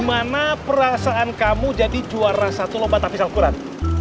mana perasaan kamu jadi juara satu lomba tavis al quran